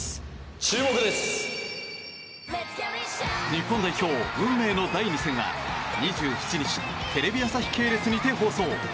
日本代表、運命の第２戦は２７日テレビ朝日系列にて放送。